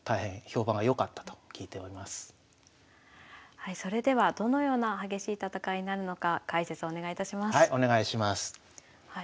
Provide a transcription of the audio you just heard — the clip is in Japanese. はいそれではどのような激しい戦いになるのか解説お願いいたします。